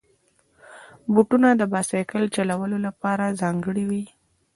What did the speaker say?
بوټونه د بایسکل چلولو لپاره ځانګړي وي.